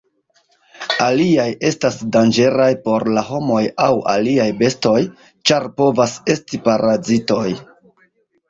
Aliaj estas danĝeraj por la homoj aŭ aliaj bestoj, ĉar povas esti parazitoj.